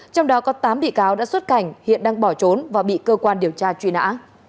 trong đó có tám bị cáo đã xuất cảnh hiện đang bỏ trốn và bị cơ quan điều tra truy nã